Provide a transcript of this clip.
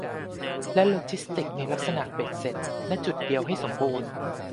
และโลจิสติกส์ในลักษณะเบ็ดเสร็จ ณ จุดเดียวให้สมบูรณ์